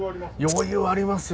余裕ありますよ